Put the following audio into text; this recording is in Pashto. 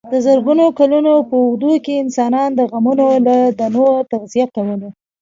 د زرګونو کلونو په اوږدو کې انسانانو د غنمو له دانو تغذیه کوله.